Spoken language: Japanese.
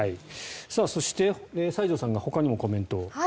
そして、西条さんがほかにもコメントを。